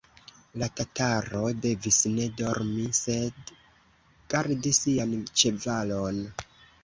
La tataro devis ne dormi, sed gardi sian ĉevalon.